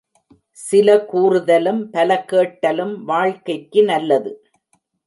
சில கூறுதலும் பல கேட்டலும் வாழ்க்கைக்கு நல்லது.